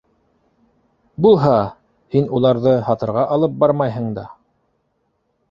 Булһа! һин уларҙы һатырға алып бармайһың да!